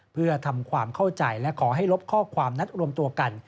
เพื่อทำความเข้าใจและขอให้ลบข้อความนัดรวมตัวกัน